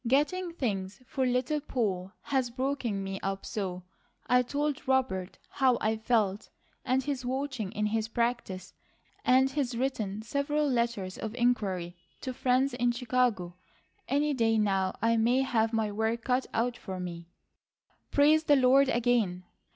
"Getting things for Little Poll has broken me up so, I told Robert how I felt, and he's watching in his practice, and he's written several letters of inquiry to friends in Chicago. Any day now I may have my work cut out for me." "Praise the Lord again!"